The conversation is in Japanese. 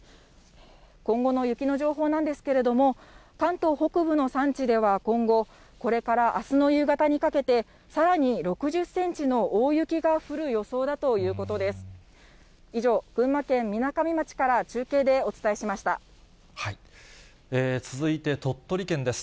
今後の雪の情報なんですけれども、関東北部の山地では今後、これからあすの夕方にかけて、さらに６０センチの大雪が降る予想だということです。